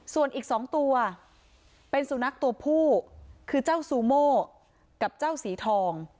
ส่วนอีก๒ตัวเป็นสุนัขตัวผู้คือเจ้าซูโม่กับเจ้าสีทอง